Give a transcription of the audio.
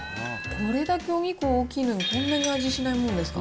これだけお肉大きいのに、こんなに味しないもんですか。